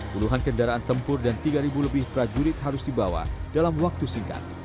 puluhan kendaraan tempur dan tiga lebih prajurit harus dibawa dalam waktu singkat